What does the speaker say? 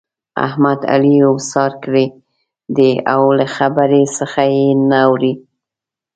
احمد؛ علي اوسار کړی دی او له خبرې څخه يې نه اوړي.